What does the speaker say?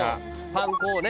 パン粉をね